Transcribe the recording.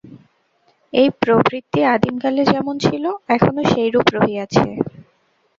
এই প্রবৃত্তি আদিমকালে যেমন ছিল, এখনও সেইরূপ রহিয়াছে।